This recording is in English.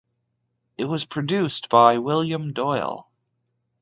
It was produced by William Doyle.